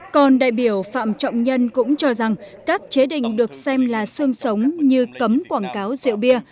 còn đại biểu phạm trọng nhân cũng cho rằng các chế định được xem là sương sống như cấm quảng cáo rượu bia